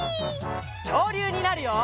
きょうりゅうになるよ！